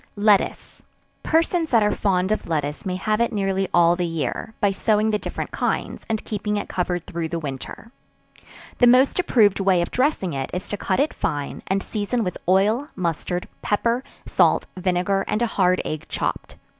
Lettuce. Persons that are fond of lettuce may have it nearly all the year, by sowing the different kinds, and keeping it covered through the winter; the most approved way of dressing it is to cut it fine, and season with oil, mustard, pepper, salt, vinegar, and a hard egg chopped.